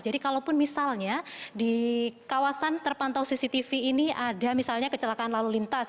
jadi kalaupun misalnya di kawasan terpantau cctv ini ada misalnya kecelakaan lalu lintas